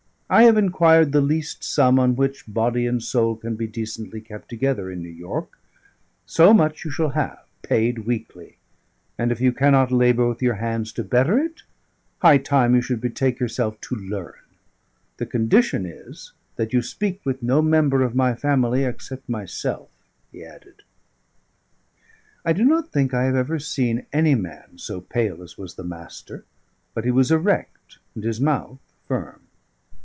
I have inquired the least sum on which body and soul can be decently kept together in New York; so much you shall have, paid weekly; and if you cannot labour with your hands to better it, high time you should betake yourself to learn. The condition is that you speak with no member of my family except myself," he added. I do not think I have ever seen any man so pale as was the Master; but he was erect and his mouth firm.